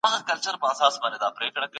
علمي لاسته راوړنې د انسانانو ګډ مال دی.